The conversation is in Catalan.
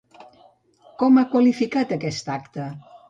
Com ha qualificat aquest acte?